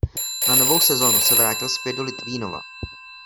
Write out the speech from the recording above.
Na novou sezonu se vrátil zpět do Litvínova.